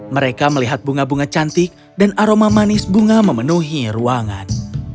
mereka melihat bunga bunga cantik dan aroma manis bunga memenuhi ruangan